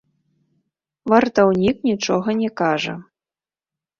Вартаўнік нічога не кажа.